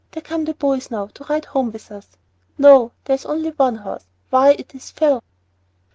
There come the boys now to ride home with us. No, there is only one horse. Why, it is Phil!"